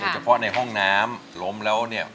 อันดับนี้เป็นแบบนี้